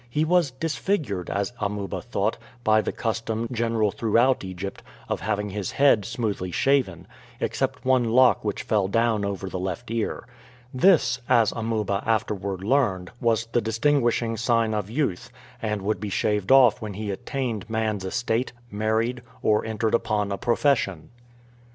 He was disfigured, as Amuba thought, by the custom, general throughout Egypt, of having his head smoothly shaven, except one lock which fell down over the left ear. This, as Amuba afterward learned, was the distinguishing sign of youth, and would be shaved off when he attained man's estate, married, or entered upon a profession.